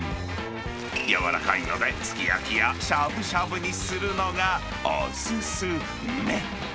柔らかいので、すき焼きやしゃぶしゃぶにするのがお勧め。